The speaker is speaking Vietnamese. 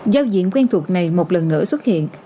giao diện quen thuộc này một lần nữa xuất hiện